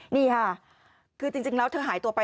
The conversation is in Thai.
นี่ค่ะคือจริงแล้วเธอหายตัวไป